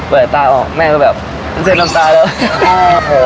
เปิดตาออกแม่ก็แบบเสร็จน้ำตาเลย